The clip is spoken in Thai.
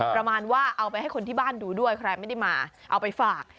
ประมาณว่าเอาไปให้คนที่บ้านดูด้วยใครไม่ได้มาเอาไปฝาก